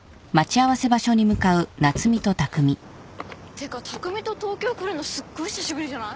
てか匠と東京来るのすっごい久しぶりじゃない？